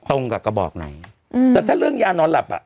ตรงกับกระบอกไหนอืมแต่ถ้าเรื่องยานอนหลับอ่ะ